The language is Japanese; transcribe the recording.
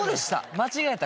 間違えた。